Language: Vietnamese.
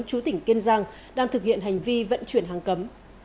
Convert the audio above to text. chú tỉnh kiên giang đang thực hiện hành vi vận chuyển hàng cấm